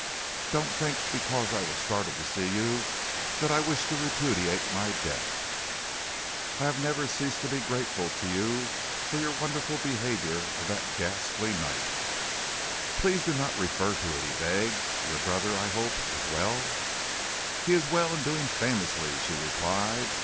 Don't think because I was startled to see you that I wish to repudiate my debt. I have never ceased to be grateful to you for your wonderful behaviour on that ghastly night." "Please do not refer to it," he begged. "Your brother, I hope, is well?" "He is well and doing famously," she replied.